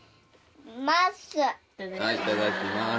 はいいただきます。